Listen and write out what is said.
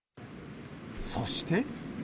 そして。